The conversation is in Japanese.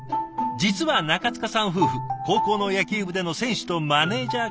実は中塚さん夫婦高校の野球部での選手とマネージャーからのつきあい。